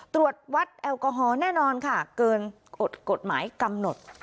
ตรวจวัดแอลกอฮอล์แน่นอนค่ะเกินกฎหมายกำหนด